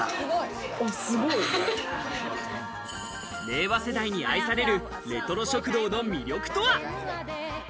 令和世代に愛されるレトロ食堂の魅力とは？